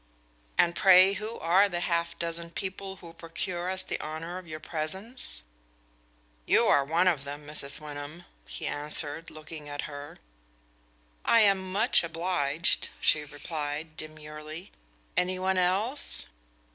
"And pray, who are the half dozen people who procure us the honor of your presence?" "You are one of them, Mrs. Wyndham," he answered, looking at her. "I am much obliged," she replied, demurely. "Any one else?"